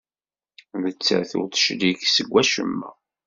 Nettat ur d-teclig seg wacemma.